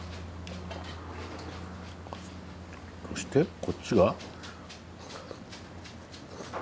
そしてこっちが。